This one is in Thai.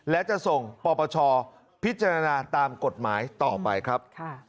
และจะส่งปปชพิจารณาตามกฎหมายต่อไปครับ